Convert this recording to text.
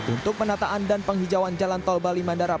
untuk penataan dan penghijauan jalan tol bali mandara